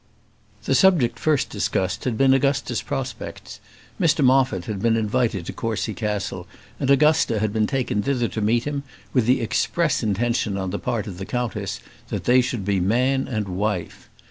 The subject first discussed had been Augusta's prospects. Mr Moffat had been invited to Courcy Castle, and Augusta had been taken thither to meet him, with the express intention on the part of the countess, that they should be man and wife.